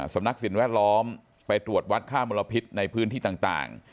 สำนักสิ่งแวดล้อมไปตรวจวัดค่ามลพิษในพื้นที่ต่าง